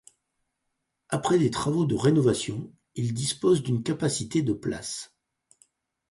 Après des travaux de rénovation, il dispose d'une capacité de places.